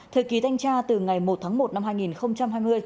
thời kỳ thanh tra từ ngày một tháng một năm hai nghìn hai mươi